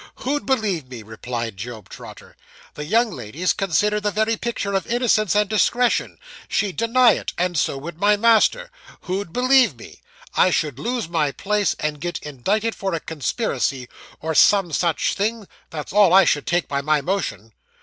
'Who'd believe me?' replied Job Trotter. 'The young lady's considered the very picture of innocence and discretion. She'd deny it, and so would my master. Who'd believe me? I should lose my place, and get indicted for a conspiracy, or some such thing; that's all I should take by my motion.